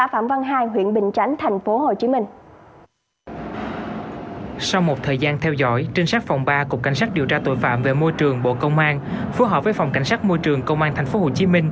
hãy đăng ký kênh để ủng hộ kênh của mình nhé